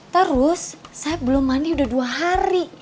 terus saya belum mandi udah dua hari